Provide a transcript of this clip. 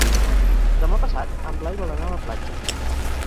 Demà passat en Blai vol anar a la platja.